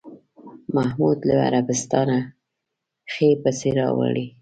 محمود له عربستانه ښې پسې راوړې.